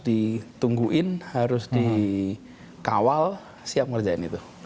ditungguin harus dikawal siap ngerjain itu